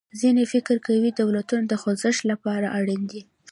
ځینې فکر کوي دولتونه د خوځښت له پاره اړین دي.